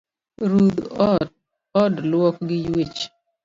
Rudh od luok gi ywech